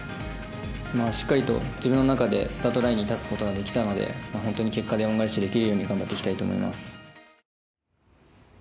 しっかりと、自分の中でスタートラインに立つことができたので本当に結果で恩返しできるように頑張っていきます。